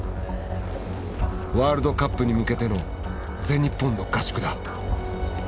ワールドカップに向けての全日本の合宿だ。